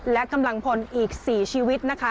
และกำลังพลอีก๔ชีวิตนะคะ